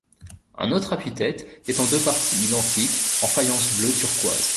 Un autre appui-tête est en deux parties identiques en faïence bleu turquoise.